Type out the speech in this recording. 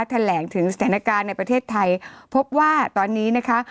แถลงถึงสถานการณ์ในประเทศไทยพบว่าตอนนี้นะคะ